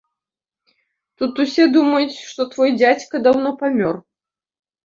Тут усе думаюць, што твой дзядзька даўно памёр.